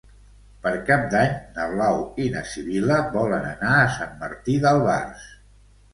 Per Cap d'Any na Blau i na Sibil·la volen anar a Sant Martí d'Albars.